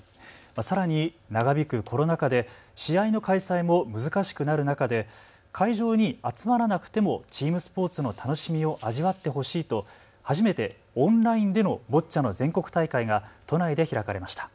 さらに、長引くコロナ禍で試合の開催も難しくなる中で会場に集まらなくてもチームスポーツの楽しみを味わってほしいと初めてオンラインでのボッチャの全国大会が都内で開かれました。